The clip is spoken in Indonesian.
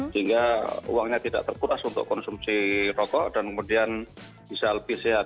sehingga uangnya tidak terkuras untuk konsumsi rokok dan kemudian bisa lebih sehat